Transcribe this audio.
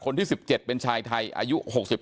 คนที่๑๗เป็นชายไทยอายุ๖๔